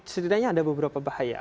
sebenarnya ada beberapa bahaya